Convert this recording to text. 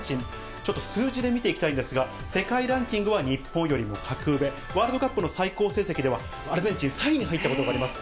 ちょっと数字で見ていきたいんですが、世界ランキングは日本よりも格上、ワールドカップの最高成績では、アルゼンチン３位に入ったことがあります。